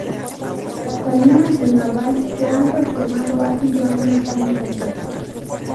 Las salinas de Naval se han reformado hace ya unos años atrás.